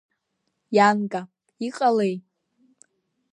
Ианга, иҟалеи?